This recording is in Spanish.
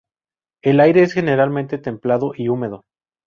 El aire es generalmente templado y húmedo.